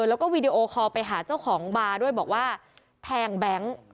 แล้วก็วีดีโอคอลไปหาเจ้าของบาร์ด้วยบอกว่าแทงแบงค์